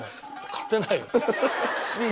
勝てない。